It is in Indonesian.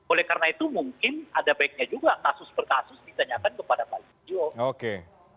oleh karena itu mungkin ada baiknya juga kasus perkasus ditanyakan kepada pak lestio